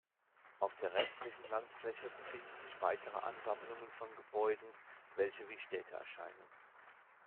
Auf der restlichen „Landfläche“ befinden sich weitere Ansammlungen von Gebäuden, welche wie Städte erscheinen.